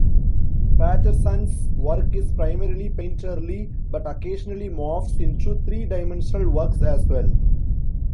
Patterson's work is primarily painterly, but occasionally morphs into three-dimensional works as well.